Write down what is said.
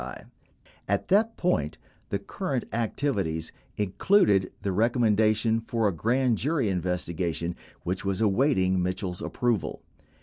18 At that point, the "current activities" included the recom mendation for a grand jury investigation which was awaiting Mitchell's approval.